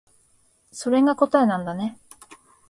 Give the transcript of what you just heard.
それが答えなんだね